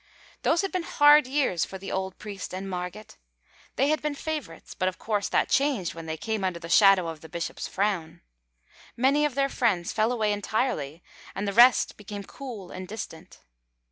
Those had been hard years for the old priest and Marget. They had been favorites, but of course that changed when they came under the shadow of the bishop’s frown. Many of their friends fell away entirely, and the rest became cool and distant.